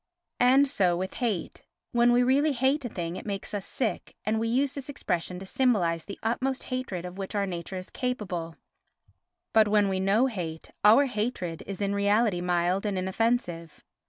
And so with hate. When we really hate a thing it makes us sick, and we use this expression to symbolise the utmost hatred of which our nature is capable; but when we know we hate, our hatred is in reality mild and inoffensive.